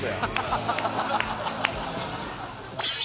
ハハハハハ！